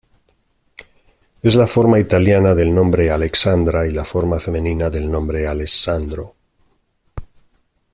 Es la forma italiana del nombre Alexandra y la forma femenina del nombre Alessandro.